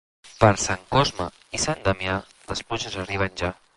Per Sant Cosme i Sant Damià, les pluges arriben ja.